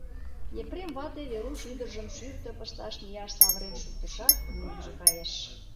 Епрем вате Веруш ӱдыржым шӱртӧ пышташ мияш савырен шуктышат, мӧҥгыжӧ кайыш.